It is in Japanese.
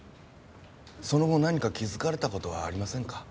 その後何か気づかれた事はありませんか？